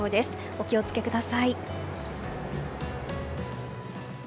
お気を付けください。